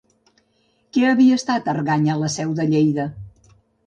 Què havia estat Argany a la Seu de Lleida?